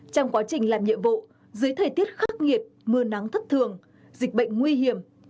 trong quá trình làm nhiệm vụ dưới thời tiết khắc nghiệt mưa nắng thất thường dịch bệnh nguy hiểm